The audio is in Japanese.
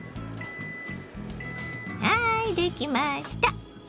はいできました。